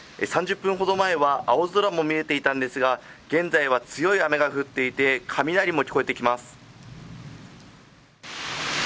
３０分ほど前は青空も見えていたんですが、現在は強い雨が降っていて、雷も聞こえてきます。